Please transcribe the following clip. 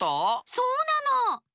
そうなの。